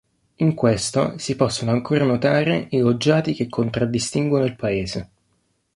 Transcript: In questo si possono ancora notare i loggiati che contraddistinguono il paese.